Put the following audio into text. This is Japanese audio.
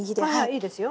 いいですよ。